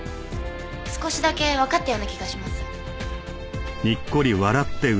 少しだけわかったような気がします。